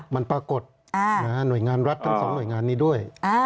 มันปรากฏหน่วยงานรัฐทั้งสองหน่วยงานนี้ด้วย